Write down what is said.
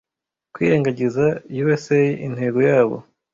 Kwirengagiza USA intego yabo